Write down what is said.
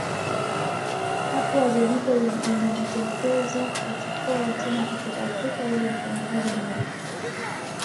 Hapo wazo jipya lilijitokeza kuchukua watumwa kutoka Afrika ili wafanye kazi Amerika